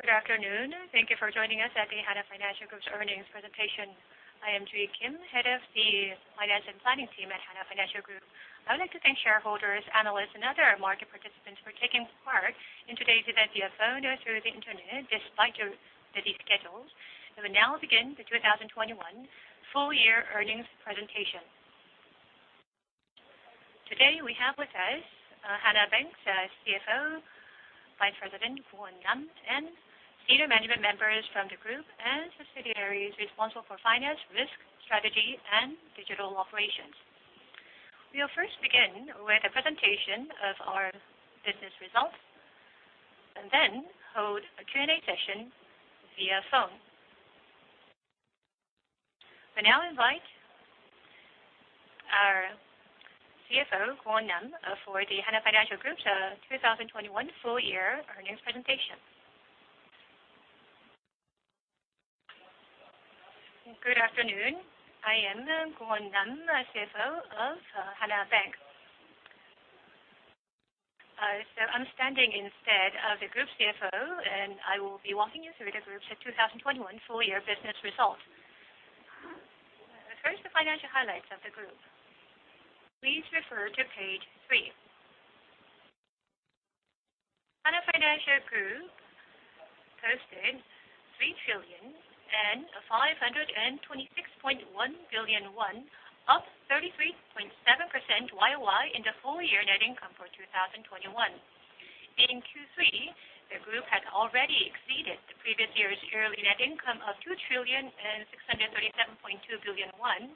Good afternoon. Thank you for joining us at the Hana Financial Group's earnings presentation. I am Joo-hoe Kim, Head of the Finance and Planning Team at Hana Financial Group. I would like to thank shareholders, analysts, and other market participants for taking part in today's event via phone or through the Internet despite the reschedule. We will now begin the 2021 full year earnings presentation. Today, we have with us Hana Bank's CFO, Vice President Kwon Nam, and senior management members from the group and subsidiaries responsible for finance, risk, strategy, and digital operations. We will first begin with a presentation of our business results, and then hold a Q&A session via phone. We now invite our CFO, Kwon Nam, for the Hana Financial Group's 2021 full year earnings presentation. Good afternoon. I am Kwon Nam, CFO of Hana Bank. I'm standing instead of the group CFO, and I will be walking you through the group's 2021 full year business results. First, the financial highlights of the group. Please refer to page three. Hana Financial Group posted KRW 3,526.1 billion, up 33.7% YOY in the full year net income for 2021. In Q3, the group had already exceeded the previous year's yearly net income of 2,637.2 billion won,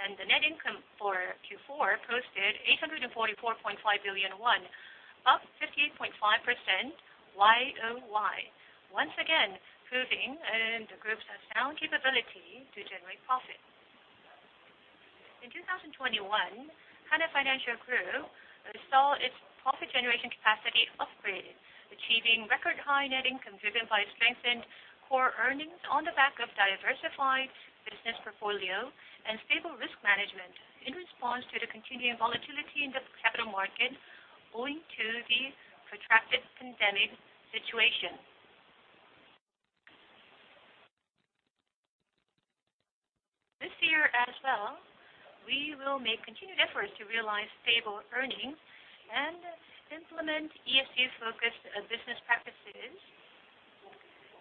and the net income for Q4 posted 844.5 billion won, up 58.5% YOY, once again proving the group's sound capability to generate profit. In 2021, Hana Financial Group saw its profit generation capacity upgraded, achieving record high net income driven by strengthened core earnings on the back of diversified business portfolio and stable risk management in response to the continuing volatility in the capital market owing to the protracted pandemic situation. This year as well, we will make continued efforts to realize stable earnings and implement ESG-focused business practices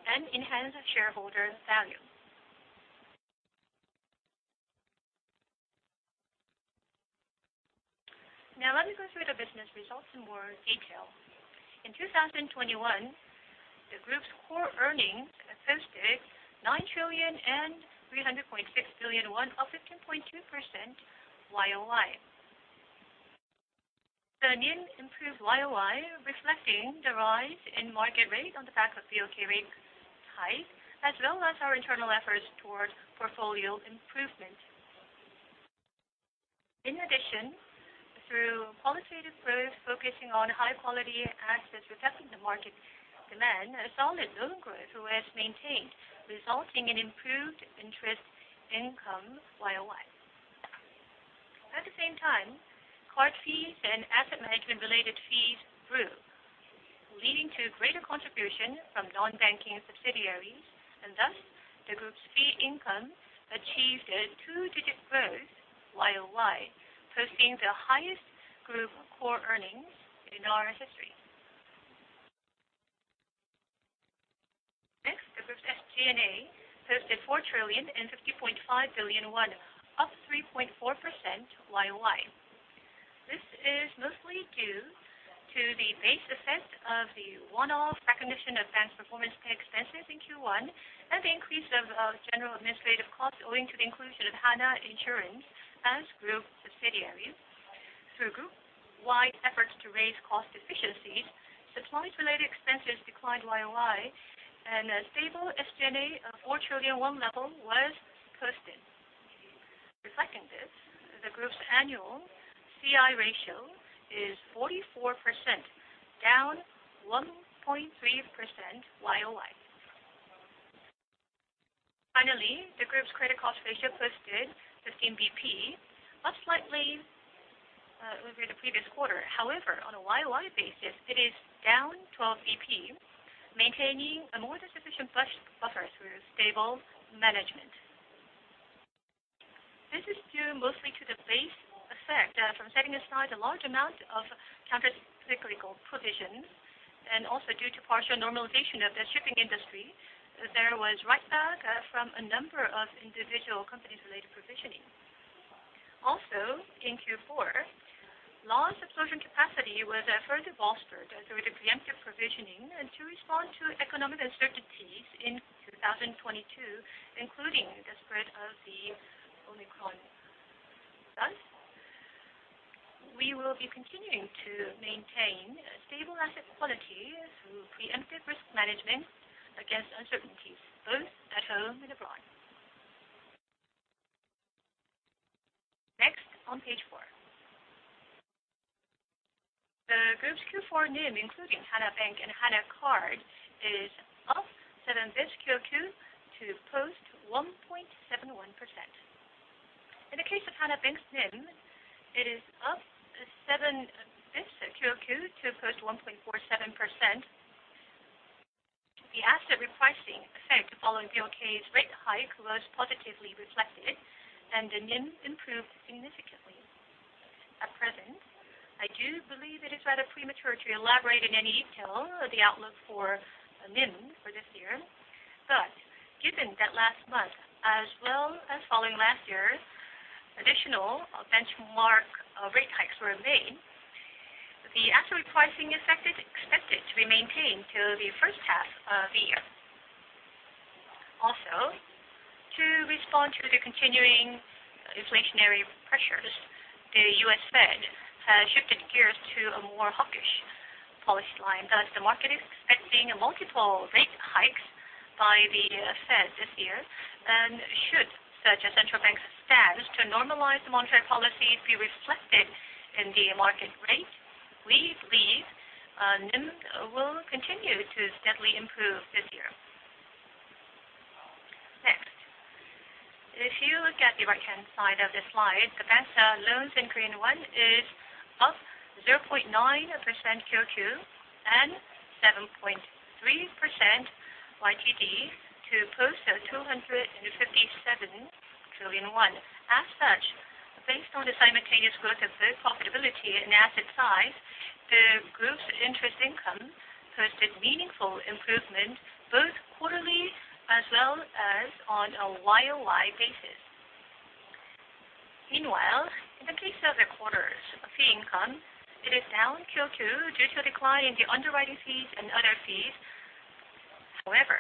and enhance shareholder value. Now, let me go through the business results in more detail. In 2021, the group's core earnings posted 9,300.6 billion, up 15.2% YOY. The NIM improved YOY, reflecting the rise in market rate on the back of BOK rate hike, as well as our internal efforts towards portfolio improvement. In addition, through qualitative growth focusing on high-quality assets reflecting the market demand, a solid loan growth was maintained, resulting in improved interest income YOY. At the same time, card fees and asset management-related fees grew, leading to greater contribution from non-banking subsidiaries, and thus, the group's fee income achieved a two-digit growth YOY, posting the highest group core earnings in our history. Next, the group's SG&A posted 4,050.5 billion won, up 3.4% YOY. This is mostly due to the base effect of the one-off recognition of banks' performance pay expenses in Q1 and the increase of general administrative costs owing to the inclusion of Hana Insurance as group subsidiaries. Through group-wide efforts to raise cost efficiencies, supplies-related expenses declined YOY, and a stable SG&A of 4 trillion level was posted. Reflecting this, the group's annual CI ratio is 44%, down 1.3% YOY. Finally, the group's credit cost ratio posted 15 basis points, up slightly over the previous quarter. However, on a YOY basis, it is down 12 basis points, maintaining a more than sufficient buffer through stable management. This is due mostly to the base effect from setting aside a large amount of countercyclical provisions, and also due to partial normalization of the shipping industry, there was write-back from a number of individual companies-related provisioning. Also, in Q4, loss absorption capacity was further bolstered through the preemptive provisioning and to respond to economic uncertainties in 2022, including the spread of the Omicron. Thus, we will be continuing to maintain a stable asset quality through preemptive risk management against uncertainties, both at home and abroad. Next, on page four. The group's Q4 NIM, including Hana Bank and Hana Card, is up seven this QoQ to post 1.71%. The Hana Bank's NIM is up 7 basis points QoQ to post 1.47%. The asset repricing effect following BOK's rate hike was positively reflected, and the NIM improved significantly. At present, I do believe it is rather premature to elaborate in any detail the outlook for NIM for this year. Given that last month, as well as following last year's additional benchmark rate hikes were made, the asset repricing effect is expected to be maintained till the first half of the year. Also, to respond to the continuing inflationary pressures, the US Fed has shifted gears to a more hawkish policy line. Thus, the market is expecting multiple rate hikes by the Fed this year. Should such a central bank's stance to normalize the monetary policy be reflected in the market rate, we believe, NIM will continue to steadily improve this year. Next, if you look at the right-hand side of the slide, the bank's loans in Korean won is up 0.9% QOQ and 7.3% YTD to post 257 trillion won. As such, based on the simultaneous growth of both profitability and asset size, the group's interest income posted meaningful improvement both quarterly as well as on a YOY basis. Meanwhile, in the case of the quarter's fee income, it is down QOQ due to a decline in the underwriting fees and other fees. However,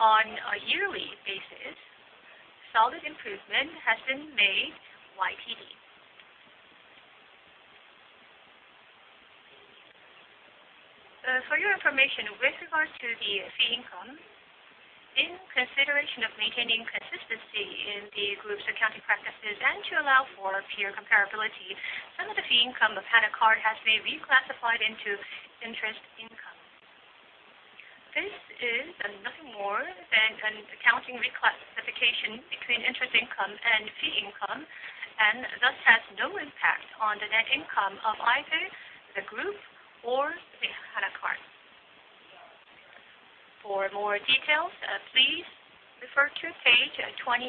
on a yearly basis, solid improvement has been made YTD. For your information, with regards to the fee income, in consideration of maintaining consistency in the group's accounting practices and to allow for peer comparability, some of the fee income of Hana Card has been reclassified into interest income. This is nothing more than an accounting reclassification between interest income and fee income, and thus has no impact on the net income of either the group or the Hana Card. For more details, please refer to page 28.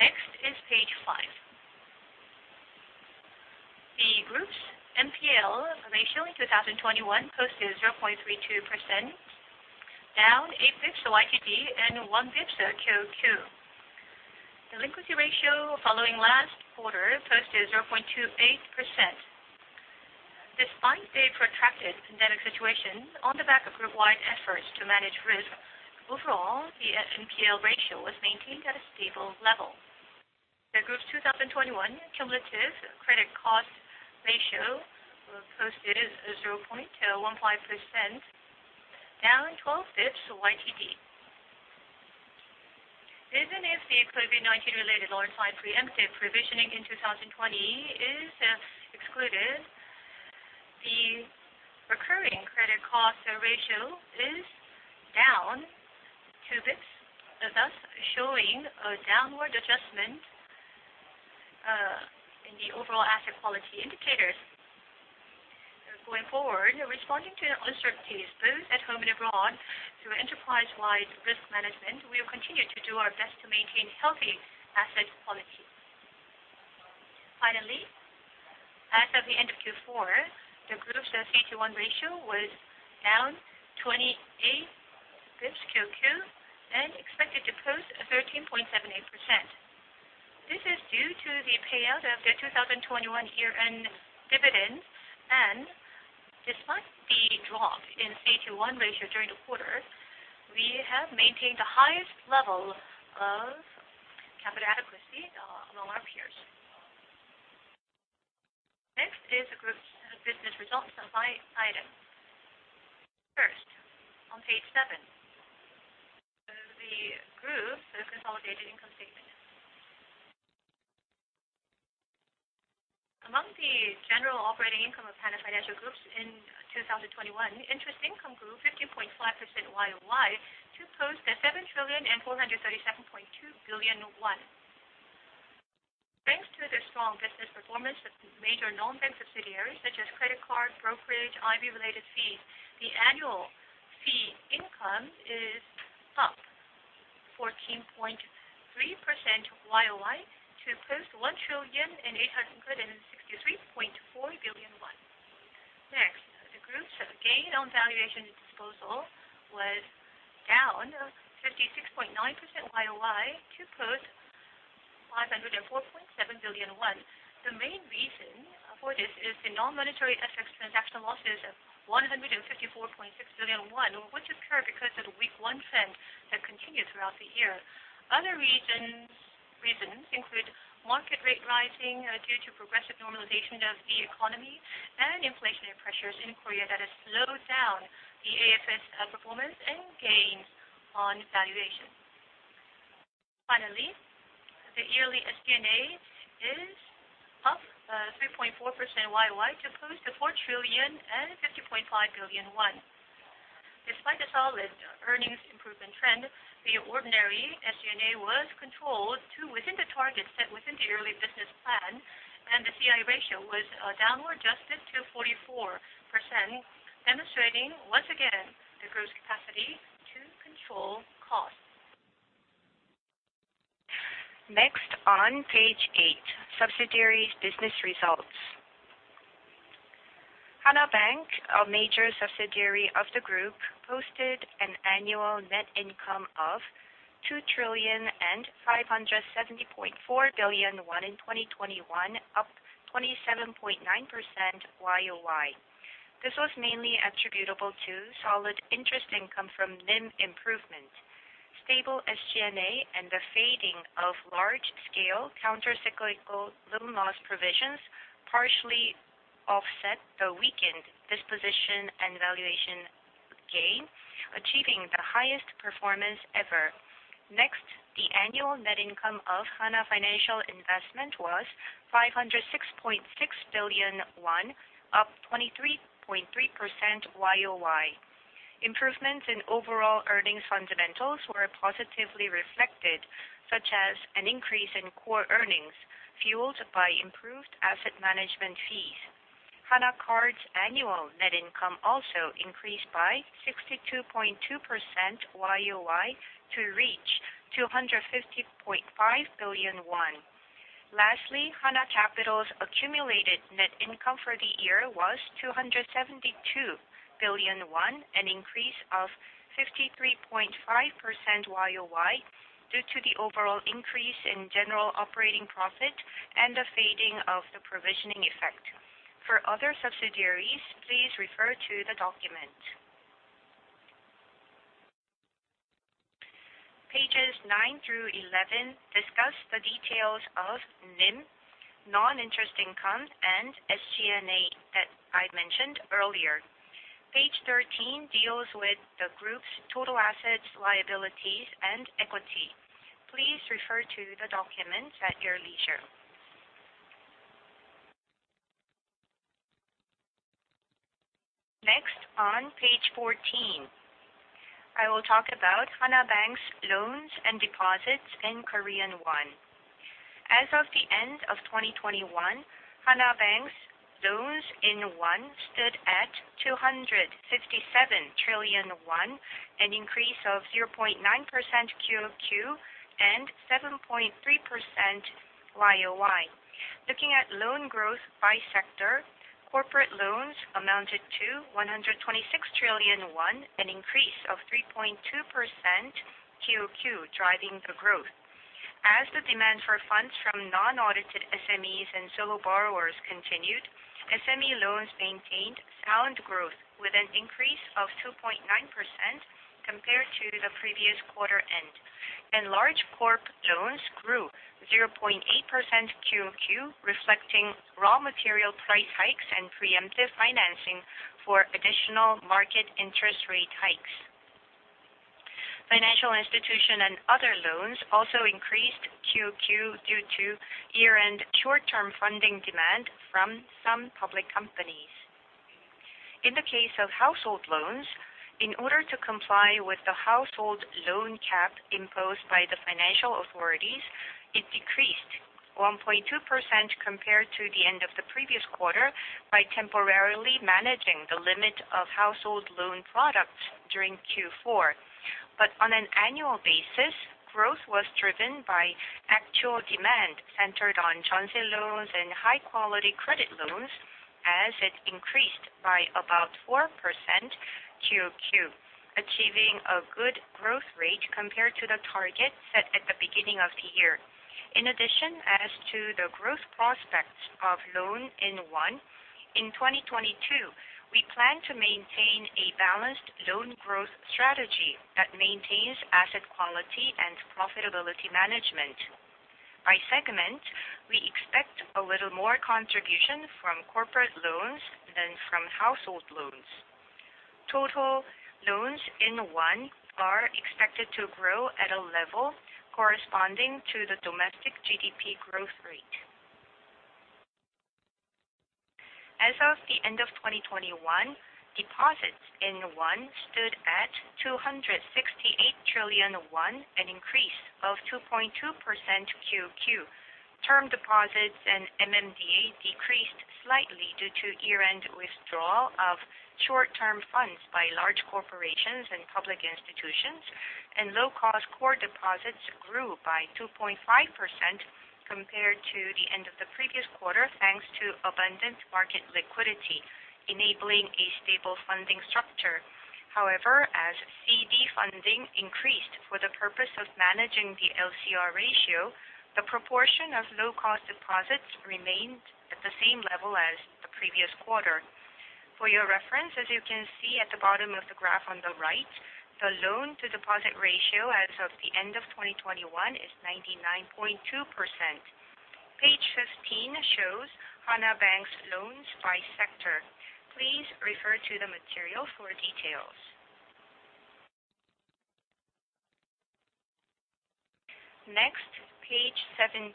Next is page five. The group's NPL ratio in 2021 posted 0.32%, down 8 basis points YTD and one dip QOQ. Delinquency ratio following last quarter posted 0.28%. Despite the protracted pandemic situation on the back of group-wide efforts to manage risk, overall, the NPL ratio was maintained at a stable level. The group's 2021 cumulative credit cost ratio posted 0.15%, down 12 basis points YTD. Even if the COVID-19 related one-time preempted provisioning in 2020 is excluded, the recurring credit cost ratio is down 2 basis points, thus showing a downward adjustment in the overall asset quality indicators. Going forward, responding to the uncertainties both at home and abroad through enterprise-wide risk management, we will continue to do our best to maintain healthy asset quality. Finally, as of the end of Q4, the group's CET1 ratio was down 28 basis points QOQ and expected to post 13.78%. This is due to the payout of the 2021 year-end dividend. Despite the drop in CET1 ratio during the quarter, we have maintained the highest level of capital adequacy among our peers. Next is the group's business results by item. First, on page seven, the group's consolidated income statement. Among the general operating income of Hana Financial Group in 2021, interest income grew 15.5% YOY to post 7,437.2 billion won. Thanks to the strong business performance of the major non-bank subsidiaries such as credit card, brokerage, IB-related fees, the annual fee income is up 14.3% YOY to post 1,863.4 billion. Next, the group's gain on valuation disposal was down 56.9% YOY to post 504.7 billion won. The main reason for this is the non-monetary FX transaction losses of 154.6 billion won, which occurred because of the weak won trend that continued throughout the year. Other reasons include market rate rising due to progressive normalization of the economy and inflationary pressures in Korea that has slowed down the AFS performance and gains on valuation. Finally The yearly SG&A is up 3.4% YoY to close to 4,050.5 billion won. Despite the solid earnings improvement trend, the ordinary SG&A was controlled to within the target set within the yearly business plan, and the CI ratio was downward adjusted to 44%, demonstrating once again the group's capacity to control costs. Next on page eight, subsidiaries business results. Hana Bank, a major subsidiary of the group, posted an annual net income of 2,570.4 billion in 2021, up 27.9% YoY. This was mainly attributable to solid interest income from NIM improvement. Stable SG&A and the fading of large-scale countercyclical loan loss provisions partially offset the weakened disposition and valuation gain, achieving the highest performance ever. Next, the annual net income of Hana Financial Investment was 506.6 billion won, up 23.3% YOY. Improvements in overall earnings fundamentals were positively reflected, such as an increase in core earnings fueled by improved asset management fees. Hana Card's annual net income also increased by 62.2% YOY to reach 250.5 billion won. Lastly, Hana Capital's accumulated net income for the year was 272 billion won, an increase of 53.5% YOY due to the overall increase in general operating profit and the fading of the provisioning effect. For other subsidiaries, please refer to the document. Pages nine through 11 discuss the details of NIM, non-interest income, and SG&A that I mentioned earlier. Page 13 deals with the group's total assets, liabilities, and equity. Please refer to the documents at your leisure. Next on page 14, I will talk about Hana Bank's loans and deposits in Korean won. As of the end of 2021, Hana Bank's loans in won stood at 257 trillion won, an increase of 0.9% QOQ and 7.3% YOY. Looking at loan growth by sector, corporate loans amounted to 126 trillion won, an increase of 3.2% QOQ, driving the growth. As the demand for funds from non-audited SMEs and solo borrowers continued, SME loans maintained sound growth with an increase of 2.9% compared to the previous quarter end. Large corp loans grew 0.8% QOQ, reflecting raw material price hikes and preemptive financing for additional market interest rate hikes. Financial institution and other loans also increased QOQ due to year-end short-term funding demand from some public companies. In the case of household loans, in order to comply with the household loan cap imposed by the financial authorities, it decreased 1.2% compared to the end of the previous quarter by temporarily managing the limit of household loan products during Q4. On an annual basis, growth was driven by actual demand centered on jeonse loans and high-quality credit loans as it increased by about 4% QoQ, achieving a good growth rate compared to the target set at the beginning of the year. In addition, as to the growth prospects of loan in won, in 2022, we plan to maintain a balanced loan growth strategy that maintains asset quality and profitability management. By segment, we expect a little more contribution from corporate loans than from household loans. Total loans in won are expected to grow at a level corresponding to the domestic GDP growth rate. As of the end of 2021, deposits in won stood at 268 trillion won, an increase of 2.2% QOQ. Term deposits and MMDA decreased slightly due to year-end withdrawal of short-term funds by large corporations and public institutions, and low-cost core deposits grew by 2.5% compared to the end of the previous quarter, thanks to abundant market liquidity, enabling a stable funding structure. However, as CD funding increased for the purpose of managing the LCR ratio, the proportion of low-cost deposits remained at the same level as the previous quarter. For your reference, as you can see at the bottom of the graph on the right, the loan-to-deposit ratio as of the end of 2021 is 99.2%. Page 15 shows Hana Bank's loans by sector. Please refer to the material for details. Next, page 17.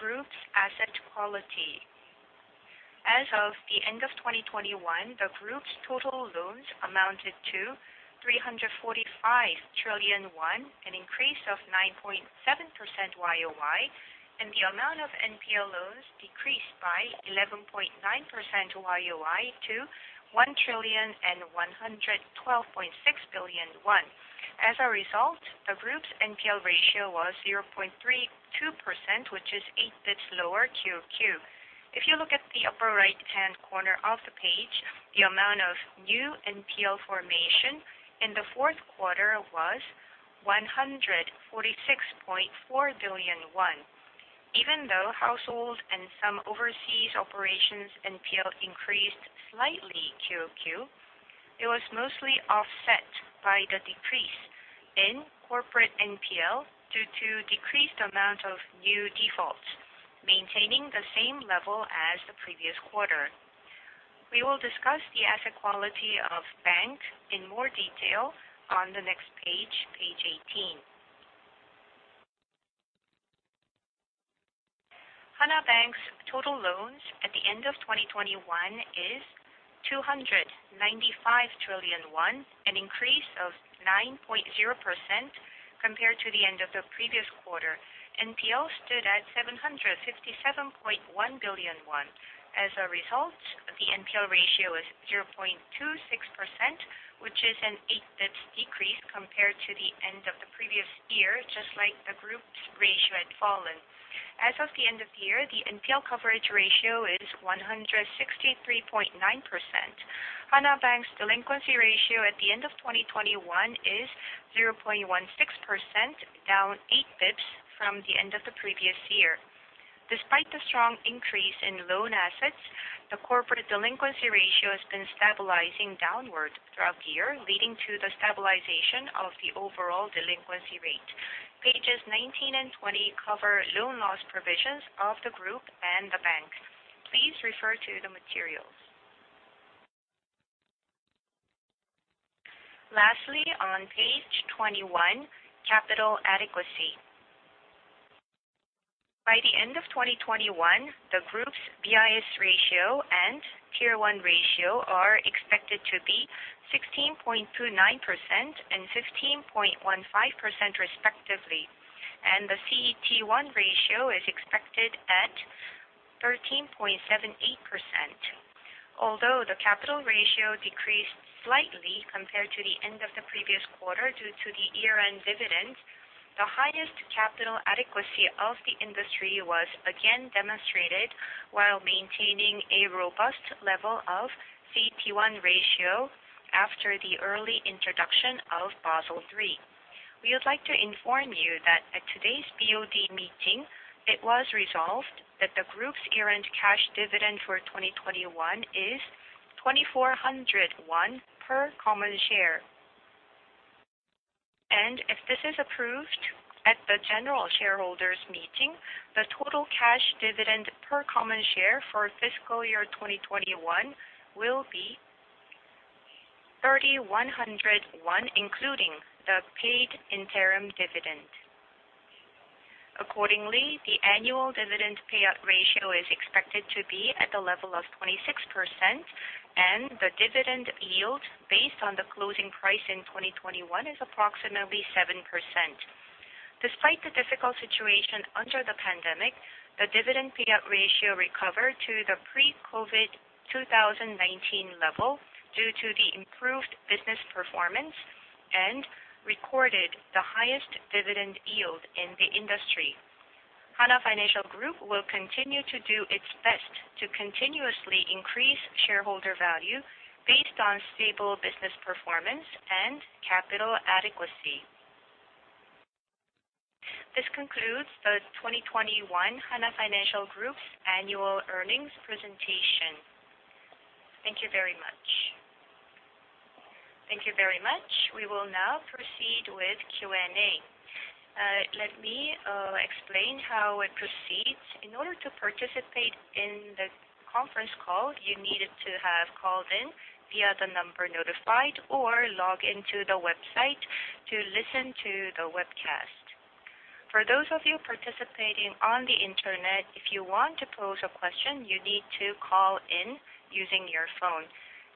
Group's asset quality. As of the end of 2021, the group's total loans amounted to 345 trillion won, an increase of 9.7% YOY, and the amount of NPL loans decreased by 11.9% YOY to 1,112.6 billion won. As a result, the group's NPL ratio was 0.32%, which is 8 basis points lower QoQ. If you look at the upper right-hand corner of the page, the amount of new NPL formation in the fourth quarter was 146.4 billion won. Even though households and some overseas operations NPL increased slightly QoQ, it was mostly offset by the decrease in corporate NPL due to decreased amount of new defaults, maintaining the same level as the previous quarter. We will discuss the asset quality of bank in more detail on the next page 18. Hana Bank's total loans at the end of 2021 is 295 trillion won, an increase of 9.0% compared to the end of the previous quarter. NPL stood at 757.1 billion won. As a result, the NPL ratio is 0.26%, which is an 8 basis points decrease compared to the end of the previous year, just like the group's ratio had fallen. As of the end of the year, the NPL coverage ratio is 163.9%. Hana Bank's delinquency ratio at the end of 2021 is 0.16%, down 8 basis points from the end of the previous year. Despite the strong increase in loan assets, the corporate delinquency ratio has been stabilizing downward throughout the year, leading to the stabilization of the overall delinquency rate. Pages 19 and 20 cover loan loss provisions of the group and the bank. Please refer to the materials. Lastly, on page 21, capital adequacy. By the end of 2021, the group's BIS ratio and Tier 1 ratio are expected to be 16.29% and 15.15% respectively, and the CET1 ratio is expected at 13.78%. Although the capital ratio decreased slightly compared to the end of the previous quarter due to the year-end dividend, the highest capital adequacy of the industry was again demonstrated while maintaining a robust level of CET1 ratio after the early introduction of Basel III. We would like to inform you that at today's BOD meeting, it was resolved that the group's year-end cash dividend for 2021 is 2,400 won per common share. If this is approved at the general shareholders meeting, the total cash dividend per common share for fiscal year 2021 will be 3,100 KRW, including the paid interim dividend. Accordingly, the annual dividend payout ratio is expected to be at the level of 26%, and the dividend yield based on the closing price in 2021 is approximately 7%. Despite the difficult situation under the pandemic, the dividend payout ratio recovered to the pre-COVID 2019 level due to the improved business performance and recorded the highest dividend yield in the industry. Hana Financial Group will continue to do its best to continuously increase shareholder value based on stable business performance and capital adequacy. This concludes the 2021 Hana Financial Group's annual earnings presentation. Thank you very much. Thank you very much. We will now proceed with Q&A. Let me explain how it proceeds. In order to participate in the conference call, you needed to have called in via the number notified or log into the website to listen to the webcast. For those of you participating on the Internet, if you want to pose a question, you need to call in using your phone.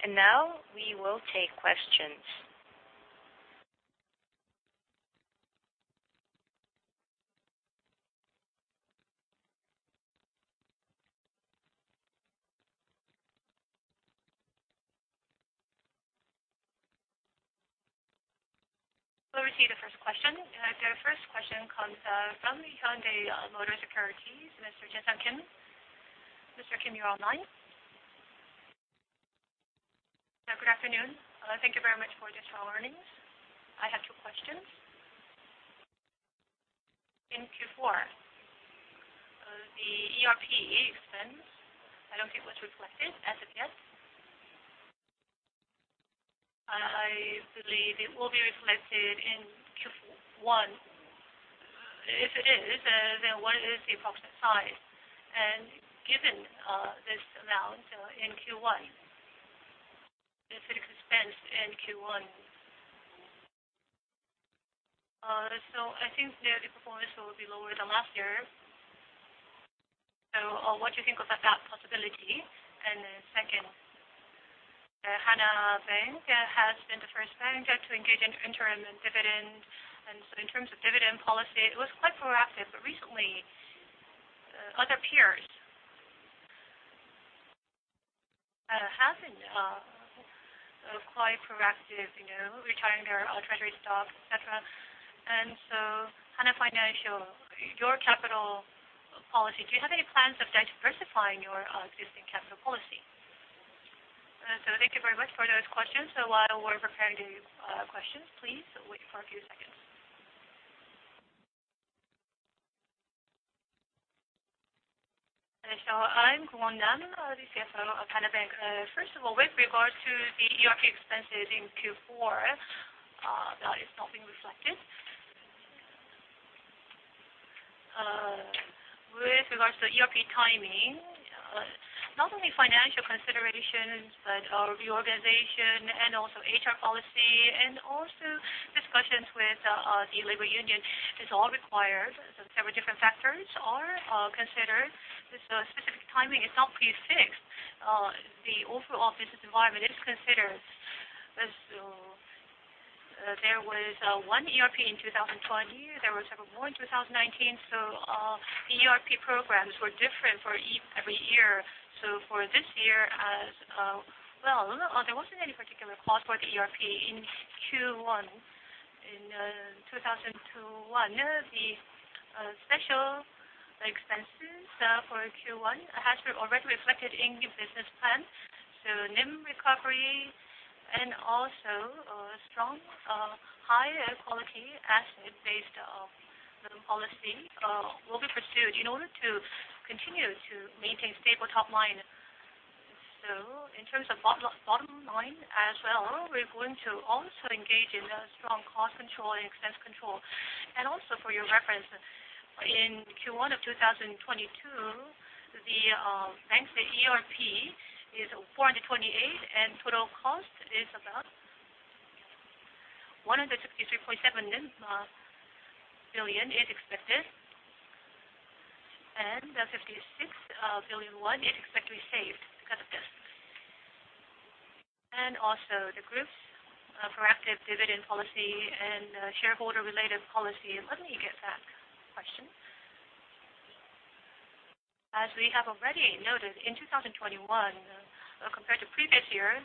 Now we will take questions. We'll receive the first question. The first question comes from Hyundai Motor Securities, Mr. Jeson Kim. Mr. Kim, you are online. Good afternoon. Thank you very much for the strong earnings. I have two questions. In Q4, the ERP expense, I don't think it was reflected as of yet. I believe it will be reflected in Q1- If it is, then what is the approximate size? And given this amount in Q1, is it expensed in Q1? I think the performance will be lower than last year. What do you think about that possibility? And then second, Hana Bank has been the first bank to engage in interim and dividend. In terms of dividend policy, it was quite proactive. Recently, other peers have been quite proactive, you know, retiring their treasury stock, et cetera. Hana Financial, your capital policy, do you have any plans of diversifying your existing capital policy? Thank you very much for those questions. While we're preparing the questions, please wait for a few seconds. I'm Kwon Nam, the CFO of Hana Bank. First of all, with regards to the ERP expenses in Q4, that is not being reflected. With regards to ERP timing, not only financial considerations, but our reorganization and also HR policy and also discussions with the labor union is all required. Several different factors are considered. The specific timing is not prefixed. The overall business environment is considered. There was one ERP in 2020. There was more in 2019. The ERP programs were different for every year. For this year as well, there wasn't any particular cost for the ERP in Q1. In 2021, the special expenses for Q1 has been already reflected in the business plan. NIM recovery and also strong high quality asset-based policy will be pursued in order to continue to maintain stable top line. In terms of bottom line as well, we're going to also engage in strong cost control and expense control. For your reference, in Q1 of 2022, the ERP is 428, and total cost is about 163.7 billion is expected, and 56 billion is expected to be saved because of this. Also the group's proactive dividend policy and shareholder related policy. Let me get that question. As we have already noted, in 2021, compared to previous year,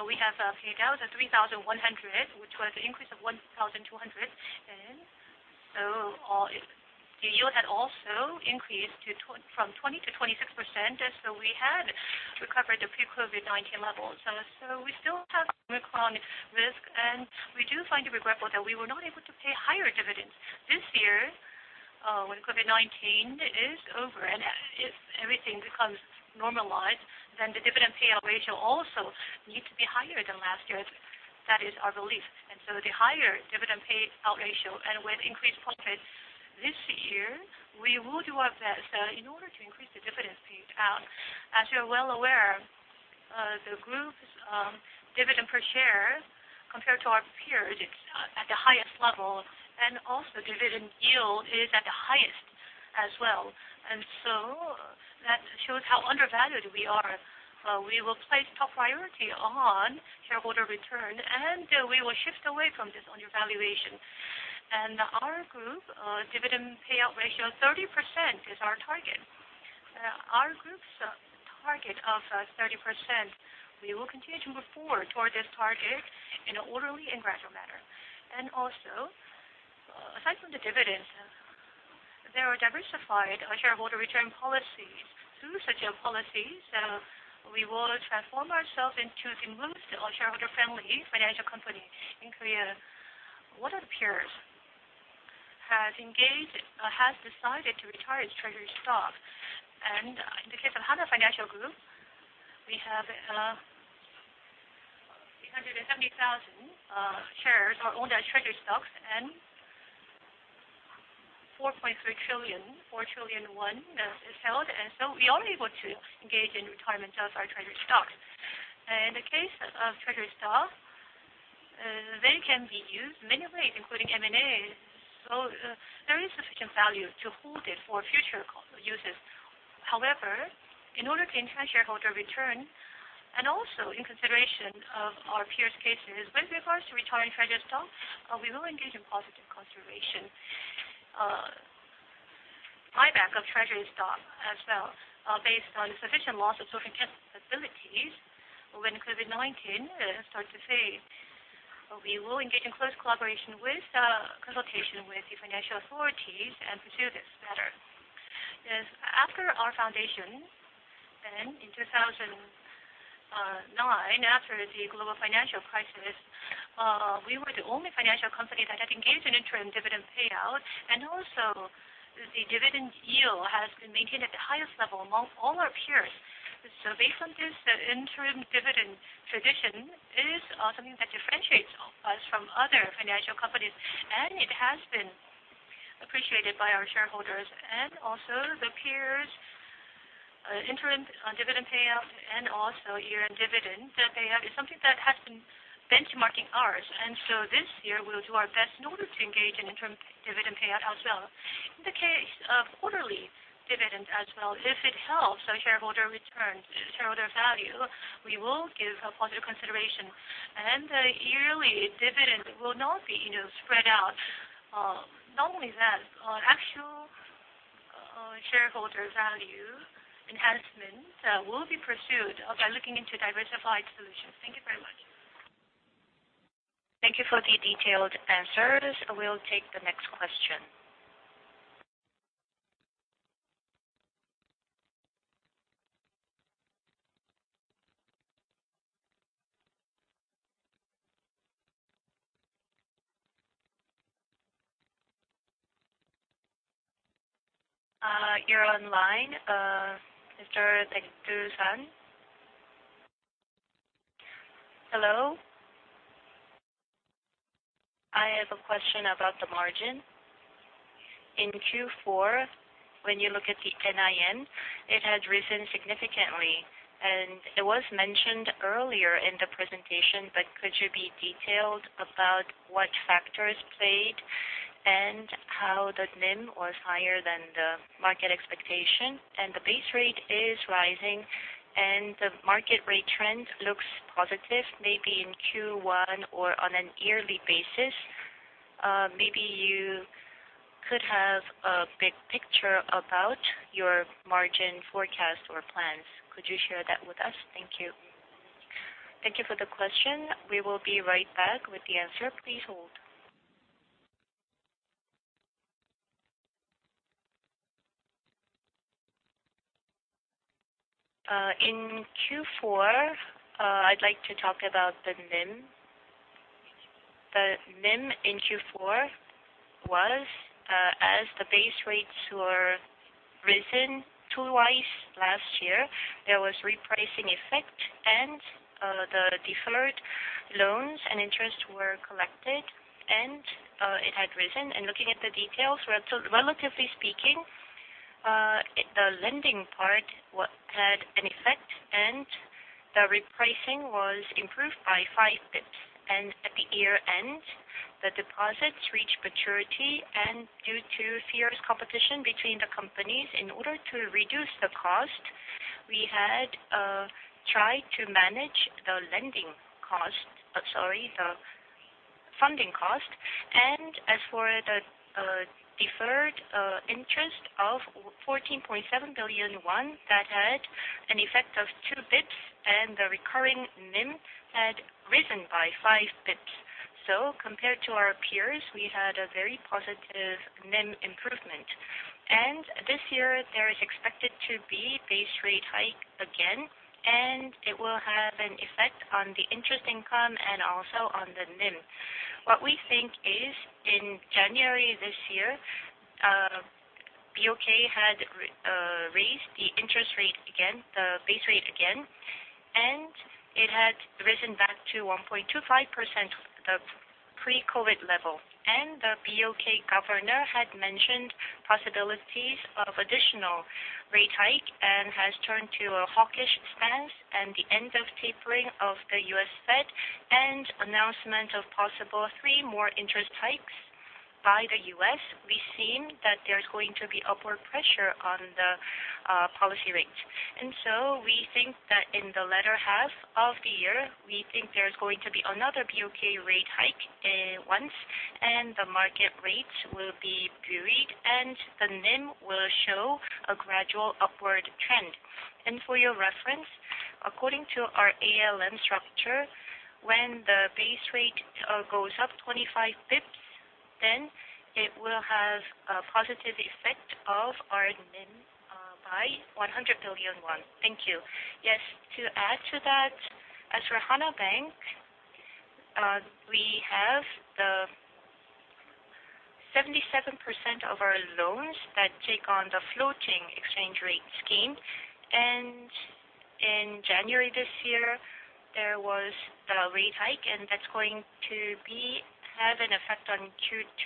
we have paid out 3,100, which was an increase of 1,200. The yield had also increased from 20% to 26%. We had recovered the pre-COVID-19 levels. We still have Omicron risk, and we do find it regrettable that we were not able to pay higher dividends this year. When COVID-19 is over and if everything becomes normalized, then the dividend payout ratio also needs to be higher than last year. That is our belief. The higher dividend payout ratio and with increased profits this year, we will do our best in order to increase the dividend payout. As you're well aware, the group's dividend per share compared to our peers, it's at the highest level, and also dividend yield is at the highest as well. That shows how undervalued we are. We will place top priority on shareholder return, and we will shift away from this undervaluation. Our group's dividend payout ratio, 30% is our target. Our group's target of 30%, we will continue to move forward toward this target in an orderly and gradual manner. Also, aside from the dividends, there are diversified shareholder return policies. Through such a policy, we will transform ourselves into the most shareholder-friendly financial company in Korea. One of the peers has decided to retire its treasury stock. In the case of Hana Financial Group, we have 370,000 shares owned as treasury stocks, and 4 trillion won is held. We are able to engage in retirement of our treasury stocks. In the case of treasury stock, they can be used in many ways, including M&A. There is sufficient value to hold it for future uses. However, in order to enhance shareholder return and also in consideration of our peers' cases, with regards to retiring treasury stock, we will engage in positive consideration, buyback of treasury stock as well, based on sufficient loss absorption capabilities when COVID-19 starts to fade. We will engage in close consultation with the financial authorities and pursue this matter. Yes, after our foundation, then in 2009, after the global financial crisis, we were the only financial company that had engaged in interim dividend payout. The dividend yield has been maintained at the highest level among all our peers. Based on this, the interim dividend tradition is something that differentiates us from other financial companies, and it has been appreciated by our shareholders and also the peers. Interim dividend payout and also year-end dividend payout is something that has been benchmarking ours. This year, we will do our best in order to engage in interim dividend payout as well. In the case of quarterly dividend as well, if it helps our shareholder returns, shareholder value, we will give a positive consideration. The yearly dividend will not be spread out. Not only that, our actual shareholder value enhancement will be pursued by looking into diversified solutions. Thank you very much. Thank you for the detailed answers. We'll take the next question. You're online, [Mr. Dekitu-san]. Hello. I have a question about the margin. In Q4, when you look at the NIM, it had risen significantly, and it was mentioned earlier in the presentation, but could you be detailed about what factors played and how the NIM was higher than the market expectation? The base rate is rising and the market rate trend looks positive, maybe in Q1 or on a yearly basis. Maybe you could have a big picture about your margin forecast or plans. Could you share that with us? Thank you. Thank you for the question. We will be right back with the answer. Please hold. In Q4, I'd like to talk about the NIM. The NIM in Q4 was, as the base rates were risen twice last year, there was repricing effect and the deferred loans and interest were collected, and it had risen. Looking at the details, relatively speaking, the lending part had an effect, and the repricing was improved by 5 basis points. At the year-end, the deposits reached maturity, and due to fierce competition between the companies, in order to reduce the cost, we had tried to manage the funding cost. As for the deferred interest of 14.7 billion won, that had an effect of 2 basis points, and the recurring NIM had risen by 5 basis points. Compared to our peers, we had a very positive NIM improvement. This year, there is expected to be base rate hike again, and it will have an effect on the interest income and also on the NIM. What we think is, in January this year, BOK had raised the interest rate again, the base rate again, and it had risen back to 1.25%, the pre-COVID level. The BOK governor had mentioned possibilities of additional rate hike and has turned to a hawkish stance and the end of tapering of the US Fed and announcement of possible three more interest hikes by the U.S. We've seen that there's going to be upward pressure on the policy rate. We think that in the latter half of the year, we think there's going to be another BOK rate hike once, and the market rates will be carried, and the NIM will show a gradual upward trend. For your reference, according to our ALM structure, when the base rate goes up 25 basis points, then it will have a positive effect on our NIM by 100 billion won. Thank you. Yes. To add to that, as for Hana Bank, we have 77% of our loans that take on the floating exchange rate scheme. In January this year, there was a rate hike, and that's going to have an effect on Q2.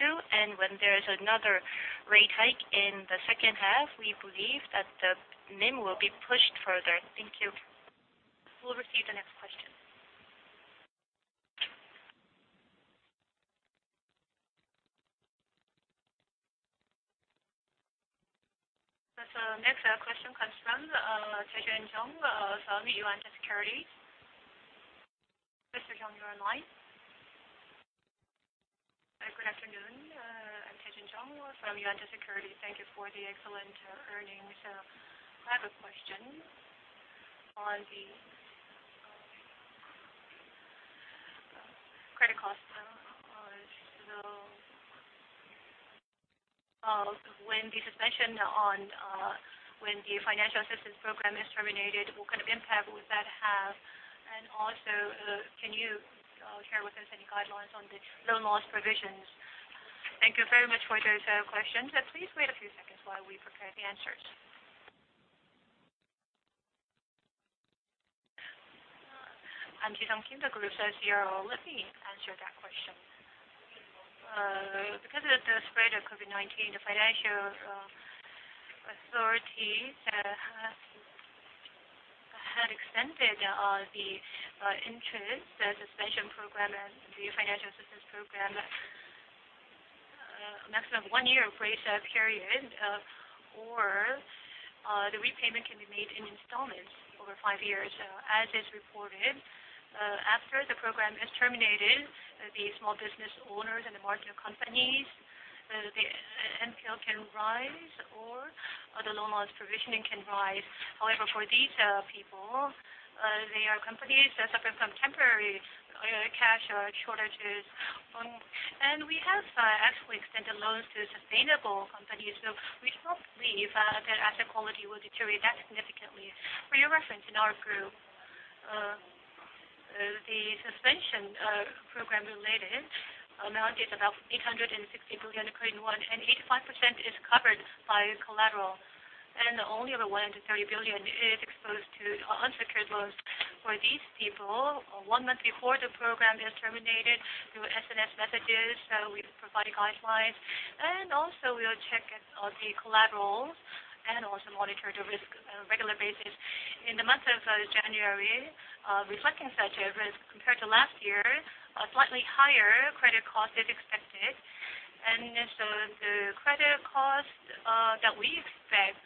When there is another rate hike in the second half, we believe that the NIM will be pushed further. Thank you. We'll receive the next question. The next question comes from Taejin Jung from Yuanta Securities. Mr. Jung, you are online. Good afternoon. I'm Taejin Jung from Yuanta Securities. Thank you for the excellent earnings. I have a question on the credit cost. So, when the financial assistance program is terminated, what kind of impact would that have? And also, can you share with us any guidelines on the loan loss provisions? Thank you very much for those questions. Please wait a few seconds while we prepare the answers. I'm Jisun Kim, the Group CRO. Let me answer that question. Because of the spread of COVID-19, the financial authorities have extended the interest suspension program and the financial assistance program, a maximum of one-year grace period. Or, the repayment can be made in installments over five years. As is reported, after the program is terminated, the small business owners and the marginal companies, the NPL can rise or the loan loss provisioning can rise. However, for these people, they are companies that suffer from temporary cash shortages. We have actually extended loans to sustainable companies. We don't believe that asset quality will deteriorate that significantly. For your reference, in our group, the suspension program related amount is about 860 billion Korean won, and 85% is covered by collateral. Only the 130 billion is exposed to unsecured loans. For these people, one month before the program is terminated, through SMS messages, we provide guidelines. We'll check at the collaterals and also monitor the risk on a regular basis. In the month of January, reflecting such a risk compared to last year, a slightly higher credit cost is expected. The credit cost that we expect,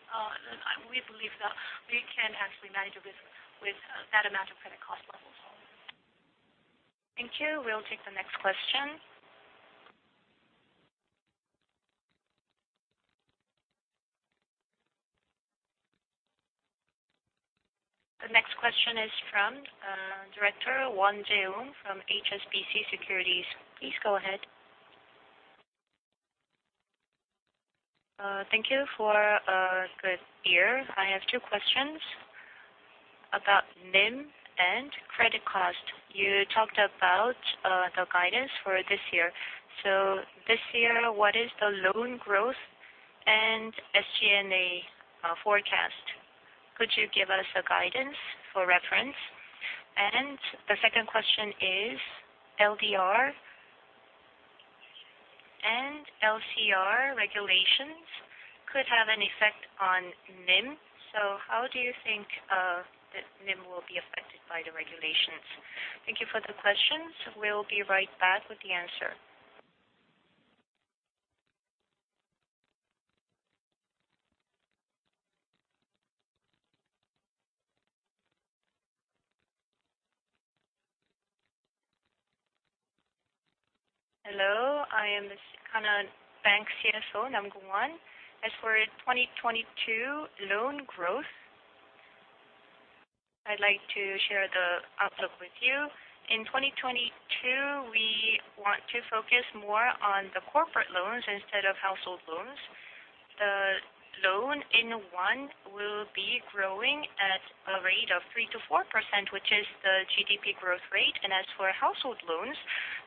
we believe that we can actually manage the risk with that amount of credit cost levels. Thank you. We'll take the next question. The next question is from Director Won Jae Woong from HSBC Securities. Please go ahead. Thank you for a good year. I have two questions about NIM and credit cost. You talked about the guidance for this year. This year, what is the loan growth and SG&A forecast? Could you give us a guidance for reference? The second question is LDR and LCR regulations could have an effect on NIM. How do you think the NIM will be affected by the regulations? Thank you for the questions. We'll be right back with the answer. Hello, I am the Hana Bank CSO, Namgung Won. As for 2022 loan growth, I'd like to share the outlook with you. In 2022, we want to focus more on the corporate loans instead of household loans. The loan in won will be growing at a rate of 3%-4%, which is the GDP growth rate. As for household loans,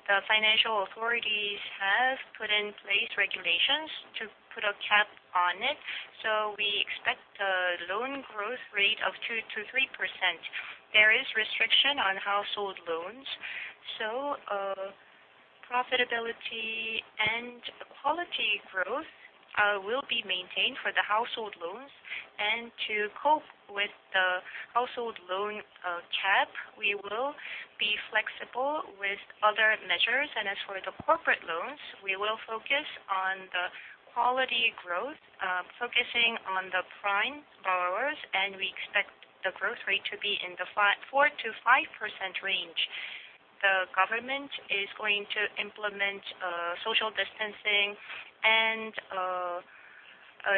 the financial authorities have put in place regulations to put a cap on it. We expect a loan growth rate of 2%-3%. There is restriction on household loans, profitability and quality growth will be maintained for the household loans. To cope with the household loan cap, we will be flexible with other measures. As for the corporate loans, we will focus on the quality growth, focusing on the prime borrowers. We expect the growth rate to be in the 4%-5% range. The government is going to implement social distancing and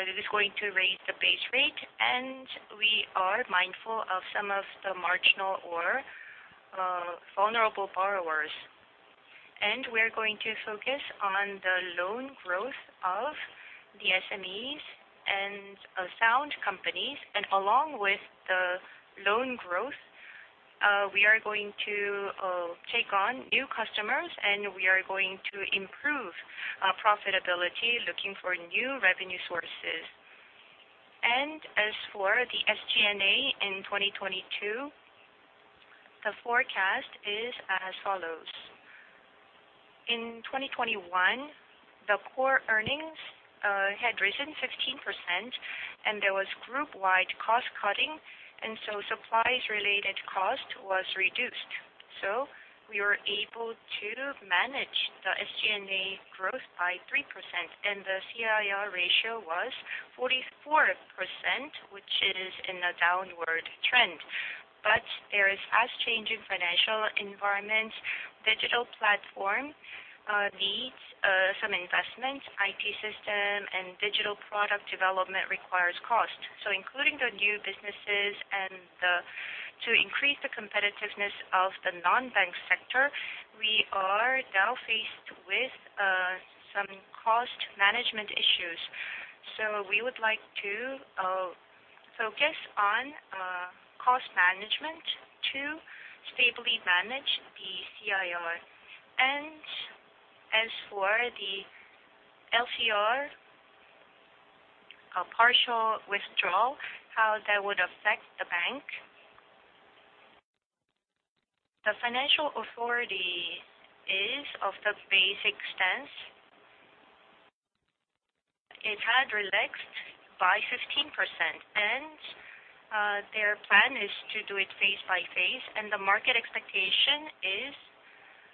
it is going to raise the base rate. We're going to focus on the loan growth of the SMEs and sound companies. Along with the loan growth, we are going to take on new customers, and we are going to improve profitability, looking for new revenue sources. As for the SG&A in 2022, the forecast is as follows. In 2021, the core earnings had risen 15% and there was group-wide cost cutting, and so supplies related cost was reduced. We were able to manage the SG&A growth by 3%, and the CIR ratio was 44%, which is in a downward trend. There is fast change in financial environment. Digital platform needs some investment. IT system and digital product development requires cost. Including the new businesses and to increase the competitiveness of the non-bank sector, we are now faced with some cost management issues. We would like to focus on cost management to stably manage the CIR. As for the LCR, a partial withdrawal, how that would affect the bank. The financial authority is of the basic stance. It had relaxed by 15%, and their plan is to do it phas-by-phase, and the market expectation is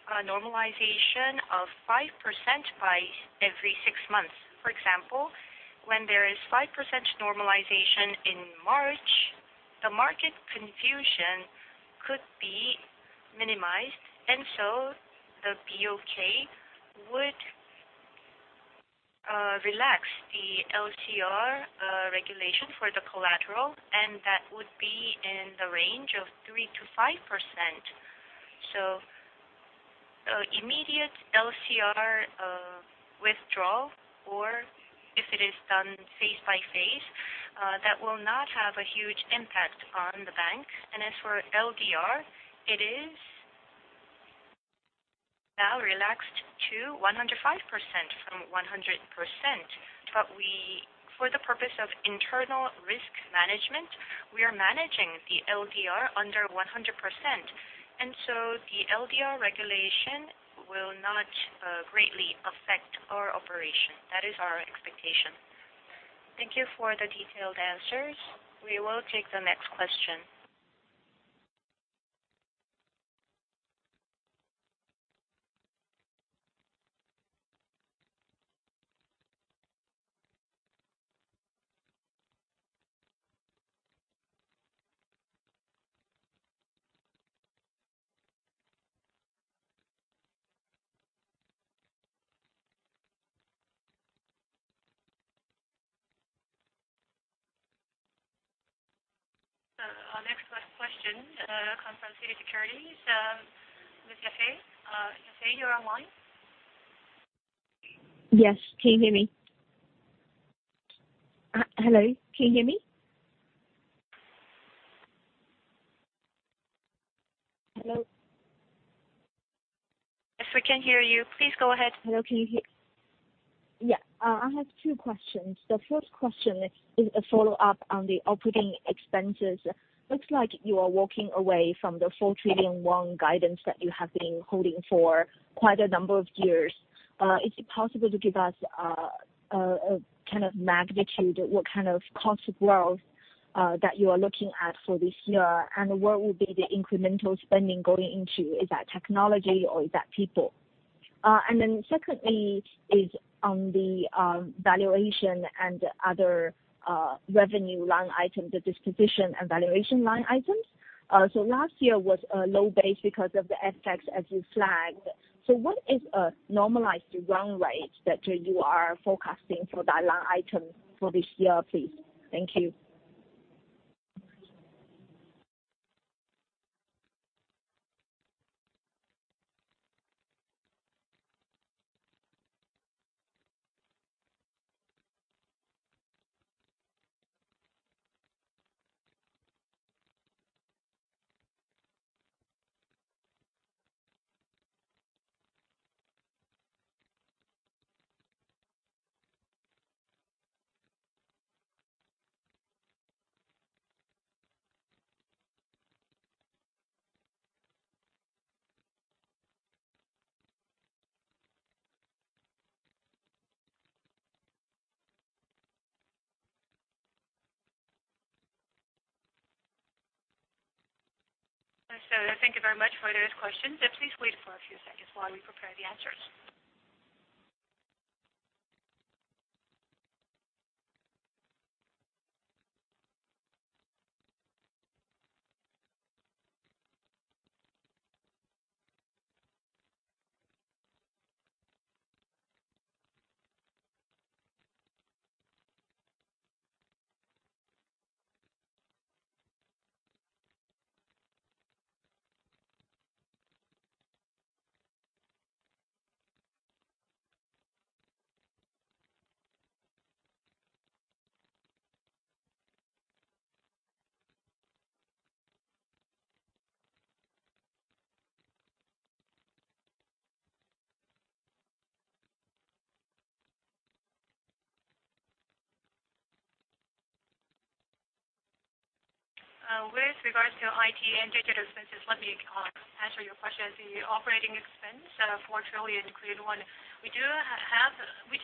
a normalization of 5% by every six months. For example, when there is 5% normalization in March, the market confusion could be minimized and so the BOK would relax the LCR regulation for the collateral, and that would be in the range of 3%-5%. Immediate LCR withdrawal or if it is done phase-by-phase, that will not have a huge impact on the bank. As for LDR, it is now relaxed to 105% from 100%. For the purpose of internal risk management, we are managing the LDR under 100%. The LDR regulation will not greatly affect our operation. That is our expectation. Thank you for the detailed answers. We will take the next question. Our next question comes from Citi Securities. Ms. Yafei. Yafei, you're online. Yes. Can you hear me? Hello? Yes, we can hear you. Please go ahead. Hello, can you hear? Yeah. I have two questions. The first question is a follow-up on the operating expenses. Looks like you are walking away from the 4 trillion won guidance that you have been holding for quite a number of years. Is it possible to give us a kind of magnitude, what kind of cost growth that you are looking at for this year? What will be the incremental spending going into? Is that technology or is that people? Secondly is on the valuation and other revenue line item, the disposition and valuation line items. Last year was a low base because of the FX as you flagged. What is a normalized run rate that you are forecasting for that line item for this year, please? Thank you. Thank you very much for those questions. Please wait for a few seconds while we prepare the answers. With regards to IT and digital expenses, let me answer your question. The operating expense, 4 trillion, we do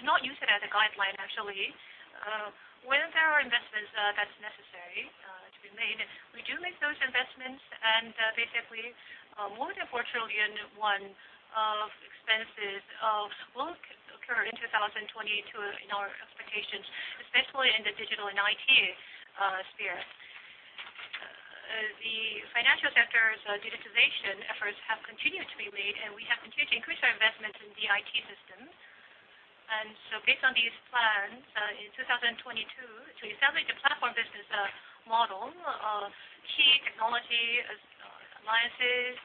not use it as a guideline actually. When there are investments, that's necessary to be made, we do make those investments. Basically, more than 4 trillion won of expenses will occur in 2022 in our expectations, especially in the digital and IT sphere. The financial sector's digitization efforts have continued to be made, and we have continued to increase our investments in the IT system. Based on these plans, in 2022, to establish the platform business model, key technology alliances.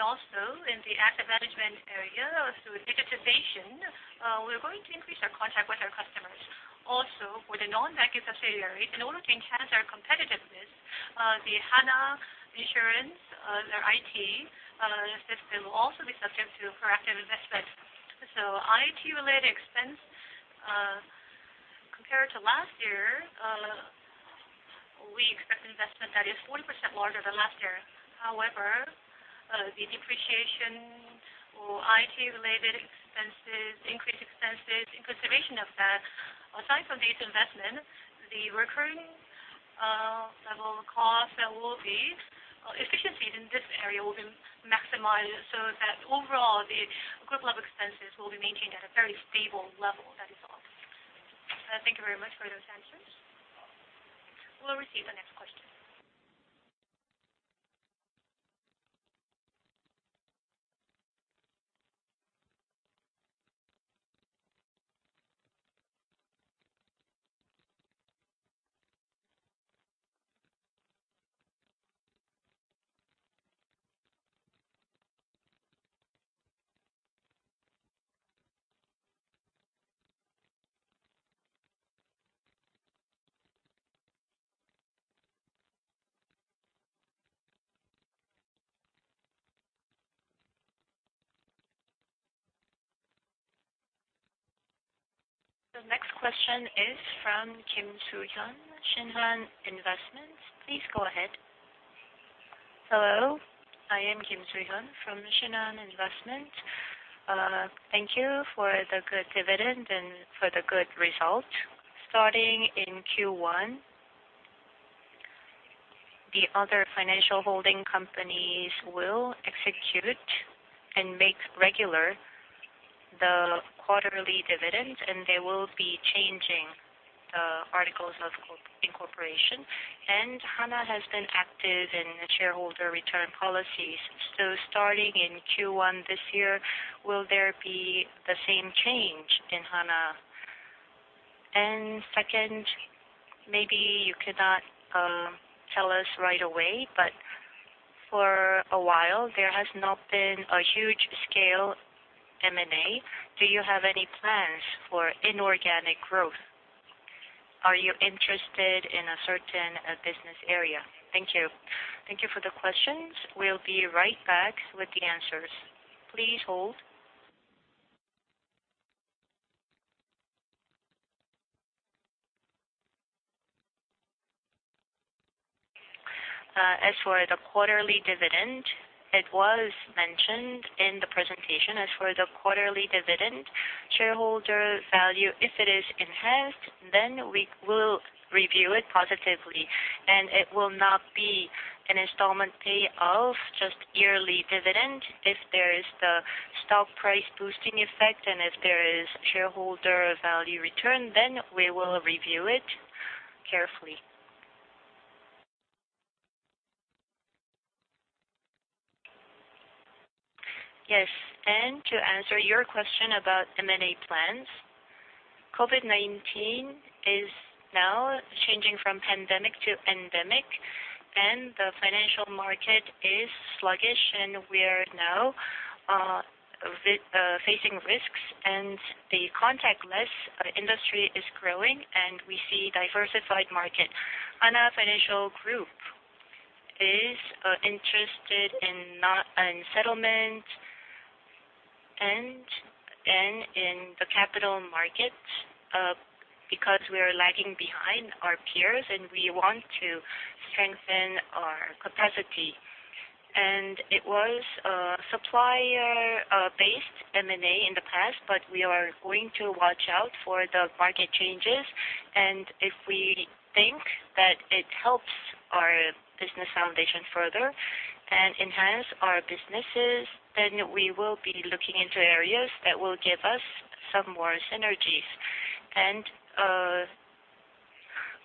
Also in the asset management area through digitization, we're going to increase our contact with our customers. Also, for the non-bank subsidiaries, in order to enhance our competitiveness, the Hana Insurance, their IT system will also be subject to proactive investment. IT-related expense, compared to last year, we expect investment that is 40% larger than last year. However, the depreciation of IT-related expenses, increased expenses in consideration of that. Aside from these investments, the recurring level of cost there will be, efficiencies in this area will be maximized so that overall, the group level expenses will be maintained at a very stable level, that is all. Thank you very much for those answers. We'll receive the next question. The next question is from Kim Suyun, Shinhan Investment. Please go ahead. Hello. I am Kim Suyun from Shinhan Investment. Thank you for the good dividend and for the good result. Starting in Q1, the other financial holding companies will execute and make regular the quarterly dividends, and they will be changing the articles of incorporation. Hana has been active in the shareholder return policies. Starting in Q1 this year, will there be the same change in Hana? Second, maybe you could not tell us right away, but for a while, there has not been a huge scale M&A. Do you have any plans for inorganic growth? Are you interested in a certain business area? Thank you. Thank you for the questions. We'll be right back with the answers. Please hold. As for the quarterly dividend, it was mentioned in the presentation. Shareholder value, if it is enhanced, then we will review it positively, and it will not be an installment pay of just yearly dividend. If there is the stock price boosting effect and if there is shareholder value return, then we will review it carefully. Yes, to answer your question about M&A plans, COVID-19 is now changing from pandemic to endemic, and the financial market is sluggish, and we are now facing risks, and the contactless industry is growing, and we see diversified market. Hana Financial Group is interested in settlement and in the capital market, because we are lagging behind our peers, and we want to strengthen our capacity. It was a supplier based M&A in the past, but we are going to watch out for the market changes. If we think that it helps our business foundation further and enhance our businesses, then we will be looking into areas that will give us some more synergies.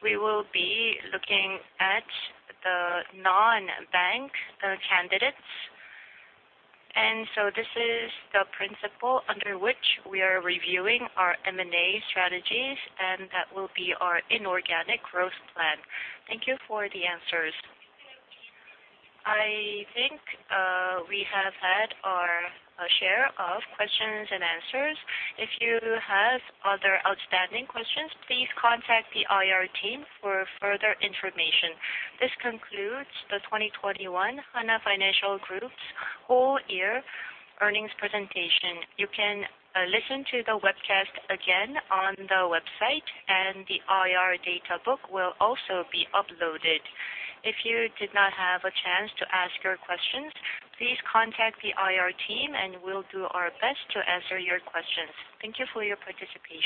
We will be looking at the non-bank candidates. This is the principle under which we are reviewing our M&A strategies, and that will be our inorganic growth plan. Thank you for the answers. I think we have had our share of questions and answers. If you have other outstanding questions, please contact the IR team for further information. This concludes the 2021 Hana Financial Group full year earnings presentation. You can listen to the webcast again on the website, and the IR data book will also be uploaded. If you did not have a chance to ask your questions, please contact the IR team, and we'll do our best to answer your questions. Thank you for your participation.